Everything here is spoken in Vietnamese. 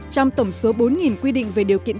trong tổng số bốn quy định về điều kiện